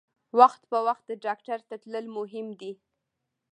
وخت په وخت ډاکټر ته تلل مهم دي.